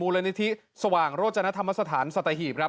สถานสถาหีปครับ